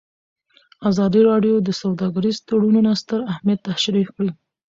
ازادي راډیو د سوداګریز تړونونه ستر اهميت تشریح کړی.